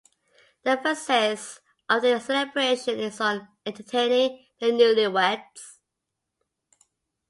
The emphasis of the celebration is on entertaining the newlyweds.